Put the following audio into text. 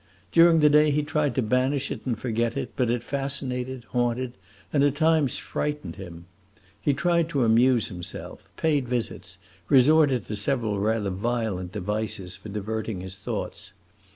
During the day he tried to banish it and forget it; but it fascinated, haunted, at moments frightened him. He tried to amuse himself, paid visits, resorted to several rather violent devices for diverting his thoughts.